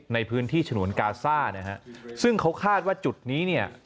ในพื้นที่ฉนวนกาซ่าซึ่งเขาคาดว่าจุดนี้